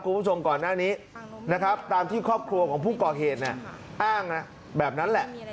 คุณผู้ชมก่อนหน้านี้นะครับตามที่ครอบครัวของผู้ก่อเหตุอ้างนะแบบนั้นแหละ